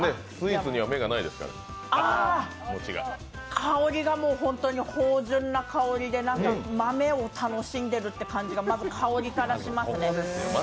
香りがもう本当に芳じゅんな香りでなんか豆を楽しんでる感じがまず香りからしますね。